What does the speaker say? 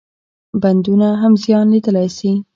بندونه هم زیان لیدلای شي.